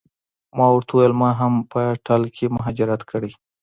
ما ورته وویل ما هم په ټل کې مهاجرت کړی.